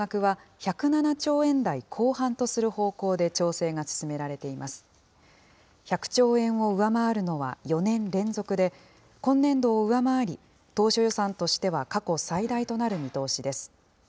１００兆円を上回るのは４年連続で、今年度を上回り、当初予算としては過去最大となる見通しです。